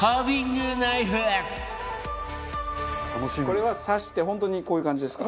これは刺して本当にこういう感じですか？